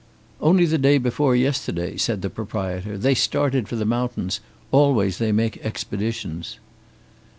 "Only the day before yesterday," said the proprietor, "they started for the mountains. Always they make expeditions."